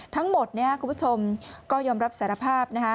ทั้งหมดเนี่ยคุณผู้ชมก็ยอมรับสารภาพนะคะ